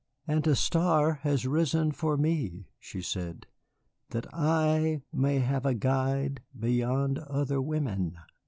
"And a star has risen for me," she said, "that I may have a guide beyond other women."